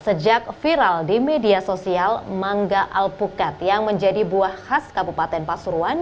sejak viral di media sosial mangga alpukat yang menjadi buah khas kabupaten pasuruan